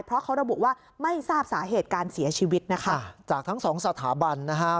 เพราะเขาระบุว่าไม่ทราบสาเหตุการเสียชีวิตนะคะจากทั้งสองสถาบันนะฮะ